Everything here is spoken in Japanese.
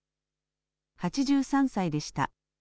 ８３歳でした。